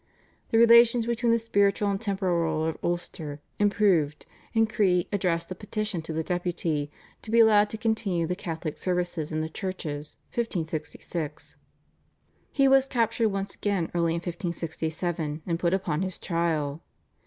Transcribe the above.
The relations between the spiritual and temporal ruler of Ulster improved, and Creagh addressed a petition to the Deputy to be allowed to continue the Catholic services in the churches (1566). He was captured once again early in 1567, and put upon his trial.